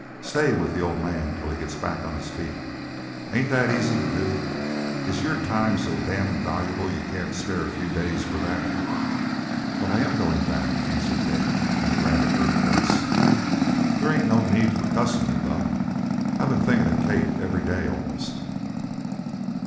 Stay with the old man till he gets back on his feet. Ain't that easy to do? Is your time so damned valuable you can't spare a few days for that?" "But I am goin' back," answered Dan, in a rather hurt voice. "They ain't no need for cussin' me, Buck. I been thinkin' of Kate, every day, almost."